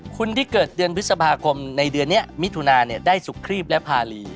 คนที่เกิดเดือนพฤษภาคมในเดือนนี้มิถุนาได้สุขครีบและภารี